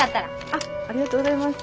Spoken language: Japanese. ありがとうございます。